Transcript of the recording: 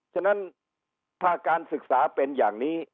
ฉะนั้นถ้าการศึกษาเป็นอย่างนี้